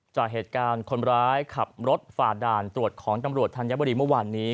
จากเหตุการณ์คนร้ายขับรถฝ่าด่านตรวจของตำรวจธัญบุรีเมื่อวานนี้